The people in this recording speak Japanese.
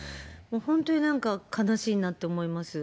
本当になんか、悲しいなって思います。